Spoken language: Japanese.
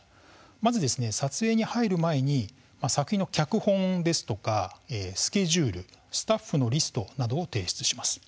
まず撮影に入る前に作品の脚本ですとかスケジュール、スタッフのリストなどを提出します。